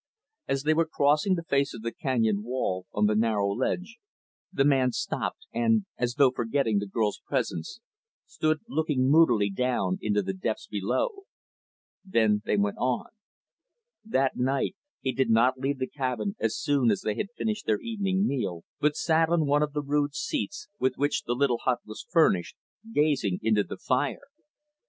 As they were crossing the face of the canyon wall, on the narrow ledge, the man stopped and, as though forgetting the girl's presence, stood looking moodily down into the depths below. Then they went on. That night, he did not leave the cabin as soon as they had finished their evening meal, but sat on one of the rude seats with which the little hut was furnished, gazing into the fire.